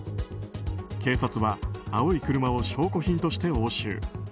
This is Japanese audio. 警察は青い車を証拠品として押収。